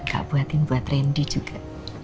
gak buatin buat randy juga